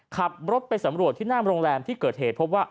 ขับรถไปสำรวจที่หน้าโรงแรมที่เกิดเหตุพบว่า